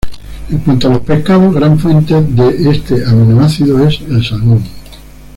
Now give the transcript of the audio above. En cuanto a los pescados, gran fuente de este aminoácido es el salmón.